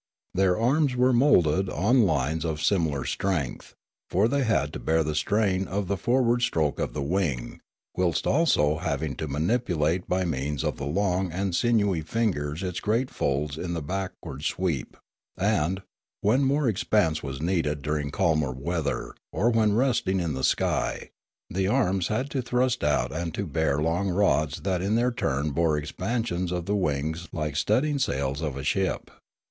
Their arms were moulded on lines of similar strength ; for they had to bear the strain of the forward stroke of the wing, whilst also having to manipulate by means of the long and sinewy fingers its great folds in the backward sweep; and, when more expanse was needed during calmer weather or when resting in the sky, the arms had to thrust out and to bear long rods that in their turn bore expansions of the wings like the stud ding sails of a ship.